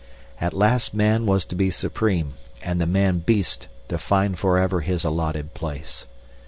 At last man was to be supreme and the man beast to find forever his allotted place.